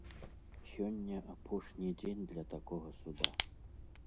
Сёння апошні дзень для такога суда.